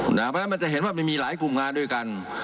เพราะฉะนั้นมันจะเห็นว่ามันมีหลายกลุ่มงานด้วยกัน